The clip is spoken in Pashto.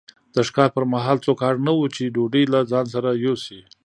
د ښکار پر مهال څوک اړ نه وو چې ډوډۍ له ځان سره یوسي.